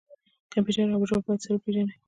کمپیوټر او ژبه باید سره وپیژني.